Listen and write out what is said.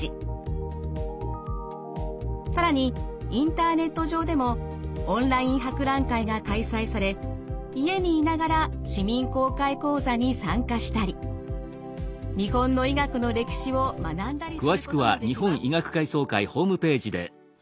更にインターネット上でもオンライン博覧会が開催され家にいながら市民公開講座に参加したり日本の医学の歴史を学んだりすることもできます。